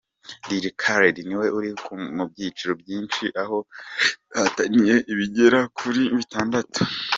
Dj Khaled ni we uri mu byiciro byinshi aho ahataniye ibigera kuri bitandatu.